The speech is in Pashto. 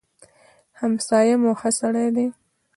همسايه مو ښه سړی دی.